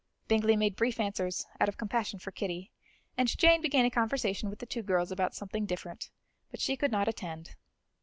Bingley made brief answers out of compassion for Kitty, and Jane began a conversation with the two girls about something different; but she could not attend.